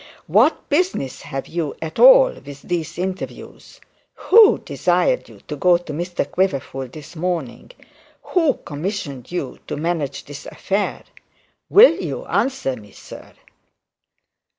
'What business have you at all with these interviews? Who desired you to go to Mr Quiverful this morning? Who commissioned you to manage this affair? Will you answer me, sir?